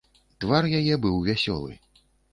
Твар яе быў вясёлы.